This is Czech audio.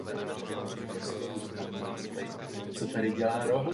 Generál Hammond je ale raději nechá ještě mimo službu.